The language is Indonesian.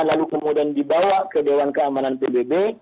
lalu kemudian dibawa ke dewan keamanan pbb